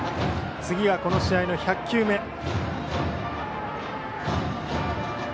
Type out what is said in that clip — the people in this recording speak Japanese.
次はこの試合の１００球目。